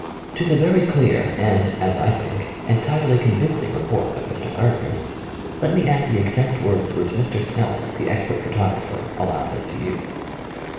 To the very clear and, as I think, entirely convincing report of Mr. Gardner's, let me add the exact words which Mr. Snelling, the expert photographer, allows us to use.